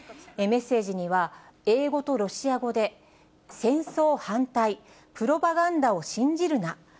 メッセージには、英語とロシア語で、戦争反対、プロパガンダを信じるな。